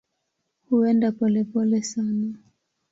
Huenda polepole sana.